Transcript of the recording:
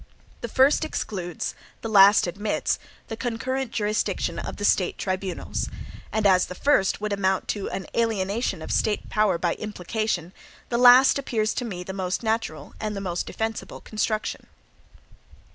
The first excludes, the last admits, the concurrent jurisdiction of the State tribunals; and as the first would amount to an alienation of State power by implication, the last appears to me the most natural and the most defensible construction.